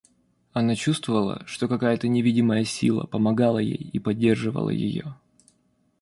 Она чувствовала, что какая-то невидимая сила помогала ей и поддерживала ее.